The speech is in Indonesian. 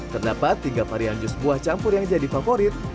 terdapat tiga varian jus buah campur yang jadi favorit